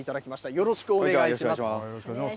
よろしくお願いします。